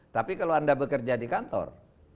tapi kalau anda bekerja di kantor